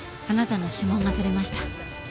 あなたの指紋が採れました。